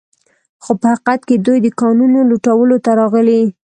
خو په حقیقت کې دوی د کانونو لوټولو ته راغلي